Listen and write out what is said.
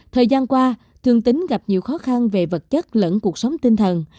thời gian qua thường tính gặp nhiều khó khăn về vật chất lẫn cuộc sống tinh thần